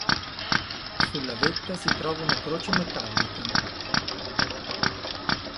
Sulla vetta si trova una croce metallica.